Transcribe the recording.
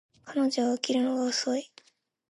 彼女は起きるのが遅い